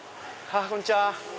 こんにちは。